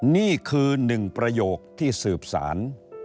นี่คือหนึ่งประโยคที่สืบสาร